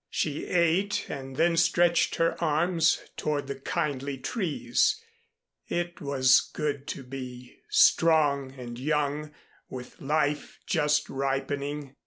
She ate and then stretched her arms toward the kindly trees. It was good to be strong and young, with life just ripening.